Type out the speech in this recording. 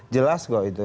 jelas kok itu